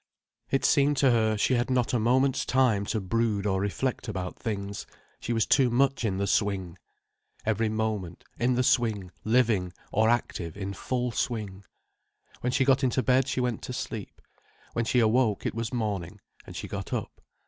It seemed to her she had not a moment's time to brood or reflect about things—she was too much in the swing. Every moment, in the swing, living, or active in full swing. When she got into bed she went to sleep. When she awoke, it was morning, and she got up.